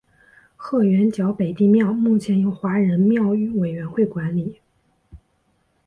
鹤园角北帝庙目前由华人庙宇委员会管理。